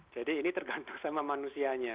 jadi ini tergantung sama manusianya